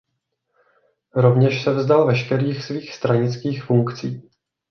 Rovněž se vzdal veškerých svých stranických funkcí.